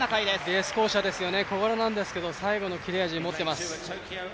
レース巧者ですよね、小柄なんですけど、最後の切れ味持ってます。